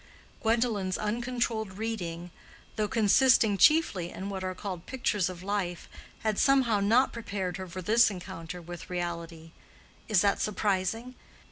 Gwendolen's uncontrolled reading, though consisting chiefly in what are called pictures of life, had somehow not prepared her for this encounter with reality. Is that surprising?